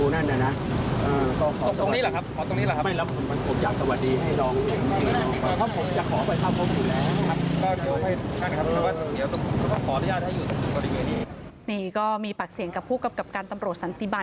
นี่ก็มีปากเสียงกับผู้กำกับการตำรวจสันติบัน